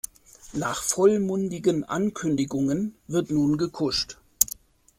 Nach vollmundigen Ankündigungen wird nun gekuscht.